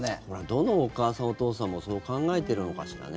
どのお母さん、お父さんもそう考えてるのかしらね。